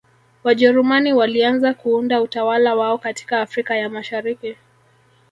Wajerumani walianza kuunda utawala wao katika Afrika ya Mashariki